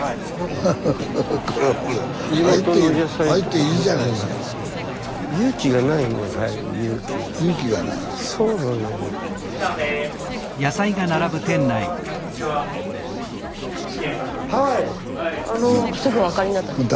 スタジオすぐお分かりになったんですね。